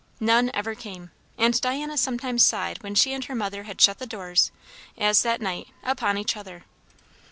None ever came; and Diana sometimes sighed when she and her mother had shut the doors, as that night, upon each other.